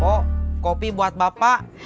pok kopi buat bapak